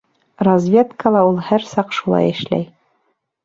Разведкала ул һәр саҡ шулай эшләй.